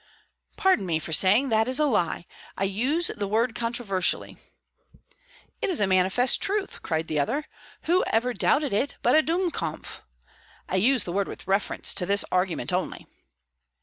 "Pardon me for saying that is a lie! I use the word controversially." "It is a manifest truth!" cried the other. "Who ever doubted it but a Dummkopf? I use the word with reference to this argument only."